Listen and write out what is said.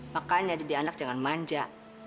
makanya jadi anak jangan manja